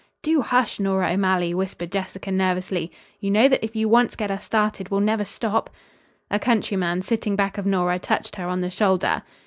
"Do hush, Nora O'Malley!" whispered Jessica nervously. "You know that if you once get us started we'll never stop." A countryman, sitting back of Nora, touched her on the shoulder.